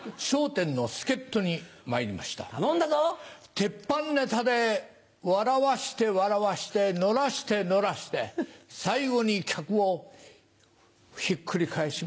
鉄板ネタで笑わせて笑わせて乗らせて乗らせて最後に客をひっくり返します。